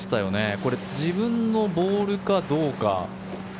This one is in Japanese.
これ、自分のボールかどうか。